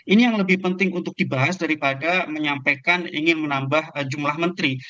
ini yang lebih penting untuk dibahas daripada menyampaikan ingin menambah jumlah menteri